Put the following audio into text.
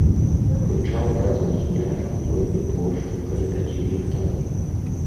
Прычал разам з пляжам зойме плошчу каля пяці гектараў.